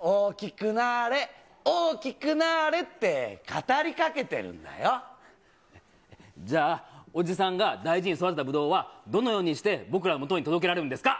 大きくなーれ、大きくなーれって、じゃあ、おじさんが大事に育てたブドウは、どのようにして僕らのもとに届けられるんですか。